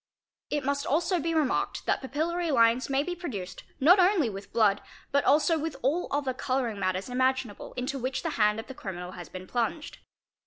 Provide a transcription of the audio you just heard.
It must also be remarked that papillary lines may be produced not only with blood, but also with all other colouring matters imaginable into which the hand of the criminal has been plunged.